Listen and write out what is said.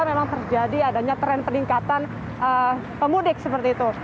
memang terjadi adanya tren peningkatan pemudik seperti itu